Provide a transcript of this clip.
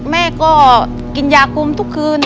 แม่ก็กินยากุมทุกคืน